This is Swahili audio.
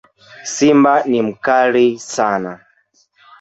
Simba ni mkali sana